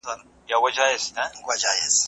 د فرد او ټولني اړیکي مهمې دي.